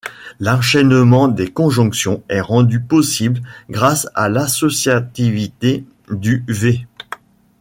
L'enchaînement des conjonctions est rendu possible grâce à l'associativité du ∨.